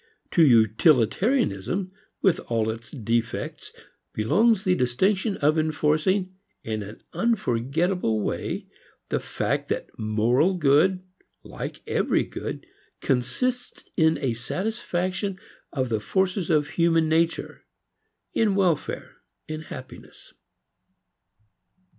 To utilitarianism with all its defects belongs the distinction of enforcing in an unforgettable way the fact that moral good, like every good, consists in a satisfaction of the forces of human nature, in welfare, happiness.